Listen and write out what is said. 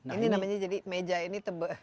ini namanya jadi meja ini